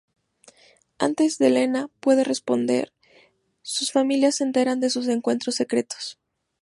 Antes de Lena puede responder, sus familias se enteran de sus encuentros secretos.